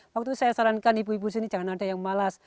waktu itu saya sarankan ibu ibu sini jangan ada yang malas